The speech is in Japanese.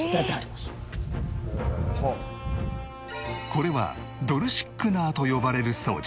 これはドルシックナーと呼ばれる装置